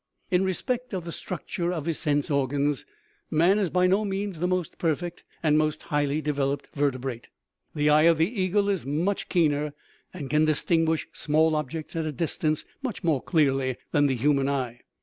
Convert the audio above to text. In respect of the structure of his sense organs man is by no means the most perfect and most highly developed vertebrate. The eye of the eagle is much keener, and can distinguish small objects at a distance much more clearly than the human eye.